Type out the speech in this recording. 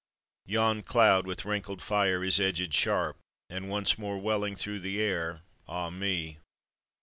Yon cloud with wrinkled fire is edgèd sharp; And once more welling through the air, ah me!